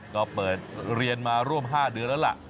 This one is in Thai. ก็เปิดเรียนมาร่วม๕เดือนแล้วล่ะ